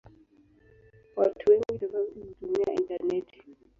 Watu wengi tofauti hutumia intaneti.